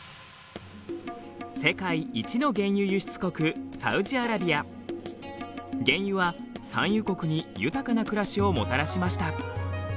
世界一の原油輸出国原油は産油国に豊かな暮らしをもたらしました。